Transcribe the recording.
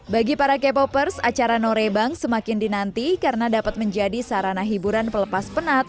bagi para k popers acara norebang semakin dinanti karena dapat menjadi sarana hiburan pelepas penat